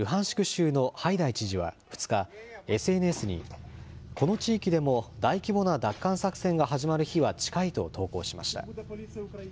州のハイダイ知事は２日、ＳＮＳに、この地域でも大規模な奪還作戦が始まる日は近いと投稿しました。